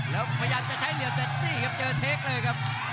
แล้วพยายามจะใช้เหลี่ยมแต่นี่ครับเจอเทคเลยครับ